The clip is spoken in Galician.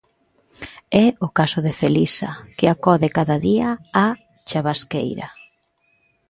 É o caso de Felisa, que acode cada día á Chavasqueira.